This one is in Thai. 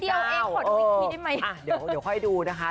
ขอดูอีกทีด้วยมั้ยอ่าเดี๋ยวค่อยดูนะคะ